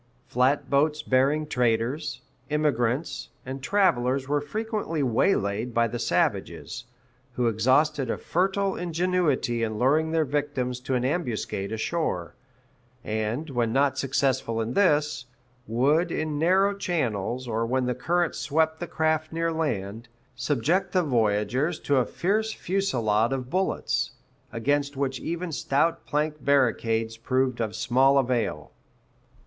Flatboats bearing traders, immigrants, and travelers were frequently waylaid by the savages, who exhausted a fertile ingenuity in luring their victims to an ambuscade ashore; and, when not successful in this, would in narrow channels, or when the current swept the craft near land, subject the voyagers to a fierce fusilade of bullets, against which even stout plank barricades proved of small avail.